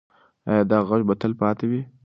ایا دا غږ به تل پاتې وي؟